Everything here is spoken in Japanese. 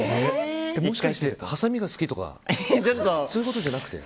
もしかしてハサミが好きとかそういうことじゃなくて？